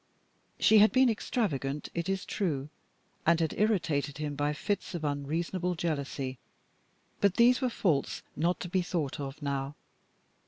She had been extravagant, it is true, and had irritated him by fits of unreasonable jealousy; but these were faults not to be thought of now.